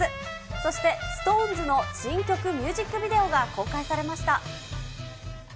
そしてＳｉｘＴＯＮＥＳの新曲ミュージックビデオが公開されました。